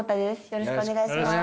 よろしくお願いします。